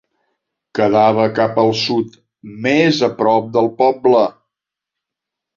Quedava cap al sud, més a prop del poble.